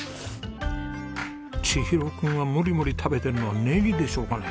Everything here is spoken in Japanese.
千尋くんがモリモリ食べてるのはネギでしょうかね？